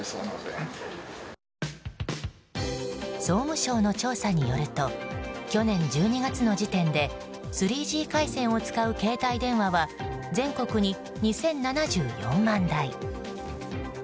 総務省の調査によると去年１２月の時点で３Ｇ回線を使う携帯電話は全国に２０７４万台。